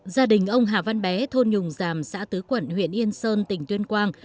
gia đình ông hà văn bé thôn nhùng giảm xã tứ quẩn huyện yên sơn tỉnh tuyên quang